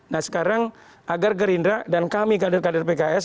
nah sekarang agar gerindra dan kami kader kader pks